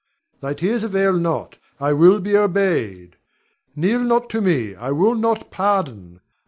Thy tears avail not; I will be obeyed. Kneel not to me, I will not pardon.